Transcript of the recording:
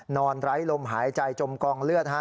ไร้ลมหายใจจมกองเลือด